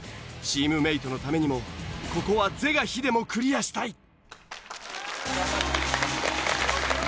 チームメートのためにもここは是が非でもクリアしたい。